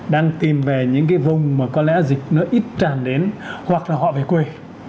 đang tìm về những cái vùng mà có lẽ dịch nó ít tràn đến hoặc là họ về quê